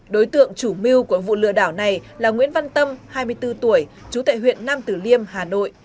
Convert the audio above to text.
đối tượng chủ mưu của vụ lừa đảo này là nguyễn văn tâm hai mươi bốn tuổi chú tại huyện nam tử liêm hà nội